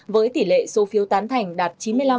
với tỷ lệ số phiếu tán thành đạt chín mươi năm năm mươi năm